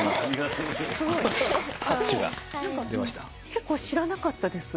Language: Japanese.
結構知らなかったです。